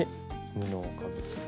布をかぶせて。